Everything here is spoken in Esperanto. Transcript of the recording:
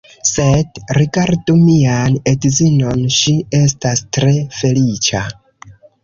Sed, rigardu mian edzinon, ŝi estas tre feliĉa.